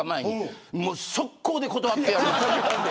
速攻で断ってやりました。